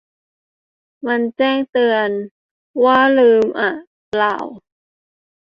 มันแจ้งเตือน ว่าลืมอ๊ะเปล่า